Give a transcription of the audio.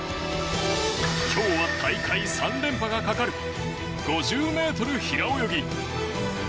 今日は大会３連覇がかかる５０ｍ平泳ぎ。